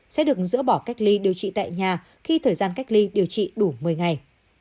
sẽ được dỡ bỏ cách ly điều trị tại nhà khi thời gian cách ly điều trị đủ một mươi ngày